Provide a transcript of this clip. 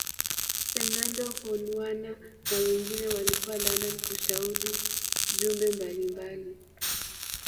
Fernando Honwana na wengine walikuwa London kushauri jumbe mbali mbali